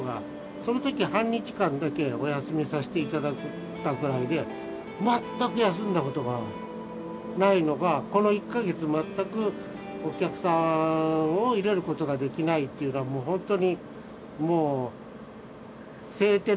そのとき半日間だけお休みさせていただいたくらいで全く休んだことがないのがこの１カ月全くお客さんを入れることができないというのは本当にもう青天の霹靂っていうか。